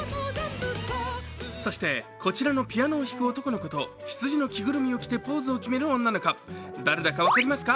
そして、こちらのピアノを弾く男の子とひつじの着ぐるみを着てポーズを決める女の子誰だか分かりますか？